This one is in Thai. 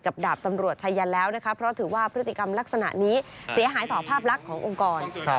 ดาบตำรวจชายันแล้วนะคะเพราะถือว่าพฤติกรรมลักษณะนี้เสียหายต่อภาพลักษณ์ขององค์กร